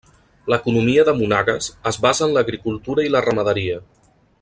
L'economia de Monagas es basa en l'agricultura i la ramaderia.